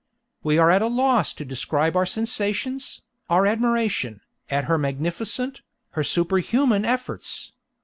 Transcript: We are at a loss to describe our sensations, our admiration, at her magnificent, her super human efforts.